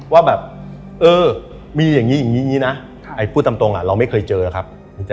ว่าแบบเออมีอย่างงี้อย่างงี้นะพูดตามตรงอ่ะเราไม่เคยเจอนะครับ